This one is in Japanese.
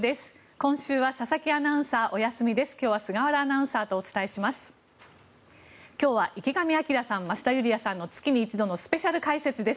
今週は佐々木アナウンサーお休みです。